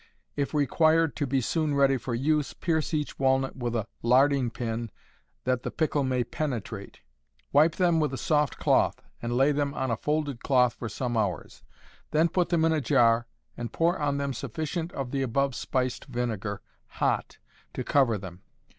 (If required to be soon ready for use, pierce each walnut with a larding pin that the pickle may penetrate). Wipe them with a soft cloth, and lay them on a folded cloth for some hours. Then put them in a jar, and pour on them sufficient of the above spiced vinegar, hot, to cover them.